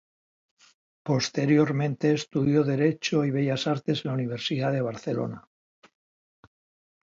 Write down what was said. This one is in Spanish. Posteriormente estudió Derecho y Bellas Artes en la Universidad de Barcelona.